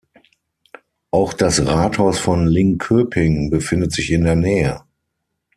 Auch das Rathaus von Linköping befindet sich in der Nähe.